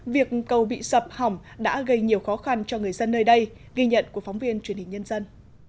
việc cầu bị sập hỏng đã gây nhiều khó khăn cho người dân nơi đây ghi nhận của phóng viên truyền hình nhân dân